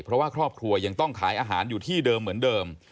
เพราะว่าครอบครัวยังต้องขายอาหารอยู่ที่เดิมเหมือนเดิม